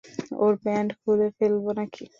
ওর pant খুলে ফেলব নাকি?